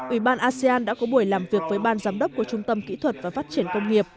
ủy ban asean đã có buổi làm việc với ban giám đốc của trung tâm kỹ thuật và phát triển công nghiệp